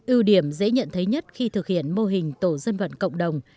ưu điểm dễ nhận thấy nhất khi thực hiện mô hình tổ dân vận cộng đồng